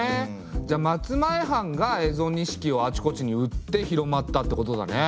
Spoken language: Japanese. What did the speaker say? じゃあ松前藩が蝦夷錦をあちこちに売って広まったってことだね。